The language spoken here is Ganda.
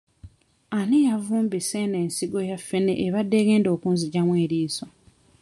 Ani yavumbise eno ensigo ya ffene ebadde egenda okunzigyamu eriiso?